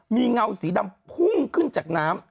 มีเงาสีดำพุ่งขึ้นจากน้ำ